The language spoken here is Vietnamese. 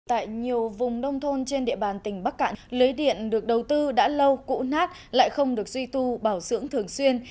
tại nhiều vùng nông thôn trên địa bàn tỉnh bắc cạn lưới điện được đầu tư đã lâu cũ nát lại không được duy tu bảo dưỡng thường xuyên